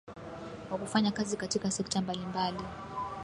wakufanya kazi katika sekta mbalimbali